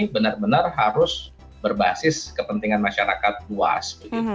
benar benar harus berbasis kepentingan masyarakat luas